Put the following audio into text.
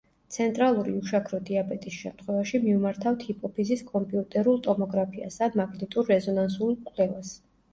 ცენტრალური უშაქრო დიაბეტის შემთხვევაში მივმართავთ ჰიპოფიზის კომპიუტერულ ტომოგრაფიას ან მაგნიტურ-რეზონანსულ კვლევას.